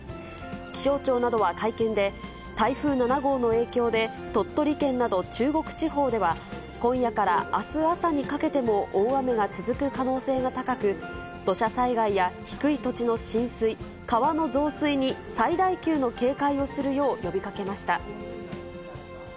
気象庁などは会見で、台風７号の影響で鳥取県など中国地方では、今夜からあす朝にかけても大雨が続く可能性が高く、土砂災害や低い土地の浸水、川の増水に最大級の警戒をするよう呼びかけました。